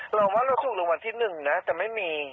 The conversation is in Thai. แล้วเราว่าเราซื้อหลวงวันที่หนึ่งแต่ไม่มี